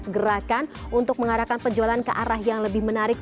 gerakan untuk mengarahkan penjualan ke arah yang lebih menarik